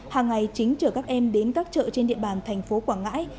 hàng ngày chính chở các em đến các chợ trên địa bàn thành phố quảng ngãi